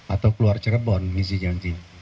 atau keluar cirebon ngisi jantin